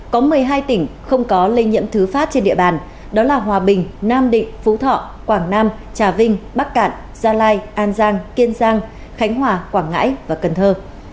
có một mươi hai tỉnh không có lây nhiễm thứ phát trên địa bàn đó là hòa bình nam định phú thọ quảng nam trà vinh bắc cạn gia lai an giang kiên giang khánh hòa quảng ngãi và cần thơ